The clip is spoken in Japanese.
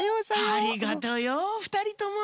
ありがとよふたりとも。